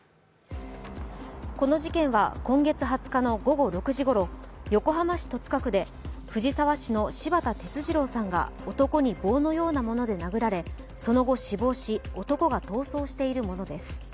この事件は、今月２０日の午後６時ごろ、横浜市戸塚区で藤沢市の柴田哲二郎さんが男に棒のようなもので殴られその後死亡し男が逃走しているものです。